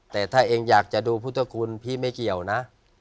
แต่ถ้าเองอยากจะดูพุทธคุณพี่ไม่เกี่ยวนะ